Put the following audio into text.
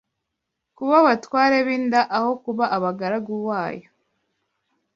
kuba abatware b’inda aho kuba abagaragu wayo